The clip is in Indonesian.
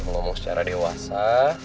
ngomong secara dewasa